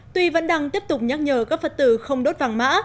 tuy vẫn đang tiếp tục nhắc nhở các phật tử không đốt vàng mã